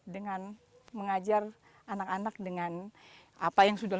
dengan mengajar anak anak dengan apa yang sudah